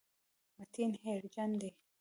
متین هېرجن دی.